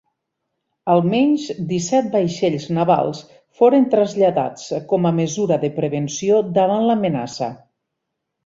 Almenys disset vaixells navals foren traslladats com a mesura de prevenció davant l'amenaça.